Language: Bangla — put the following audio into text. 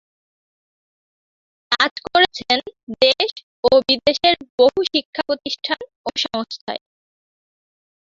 কাজ করেছেন দেশ ও বিদেশের বহু শিক্ষাপ্রতিষ্ঠান ও সংস্থায়।